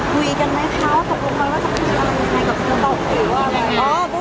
พี่โฟก็ออกงาน